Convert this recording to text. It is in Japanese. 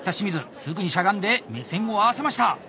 すぐにしゃがんで目線を合わせました！